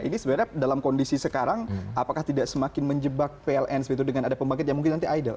ini sebenarnya dalam kondisi sekarang apakah tidak semakin menjebak pln dengan ada pembangkit yang mungkin nanti idle